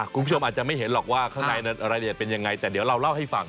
คุณผู้ชมอาจจะไม่เห็นหรอกว่าข้างในรายละเอียดเป็นยังไงแต่เดี๋ยวเราเล่าให้ฟัง